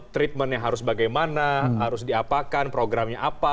treatment nya harus bagaimana harus diapakan programnya apa